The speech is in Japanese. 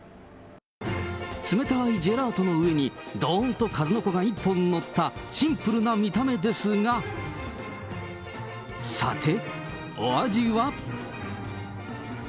冷たいジェラートの上にどーんと、かずのこが一本が載ったシンプルな見た目ですが、さて、お味は？